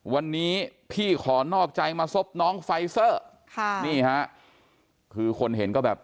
วันนี้พี่ขอนอกใจมาซบน้องไฟเซอร์ค่ะนี่ฮะคือคนเห็นก็แบบ